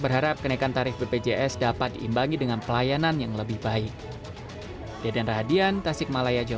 sehingga tarif bpjs dapat diimbangi dengan pelayanan yang lebih baik